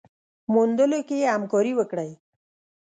موندلو کي يې همکاري وکړئ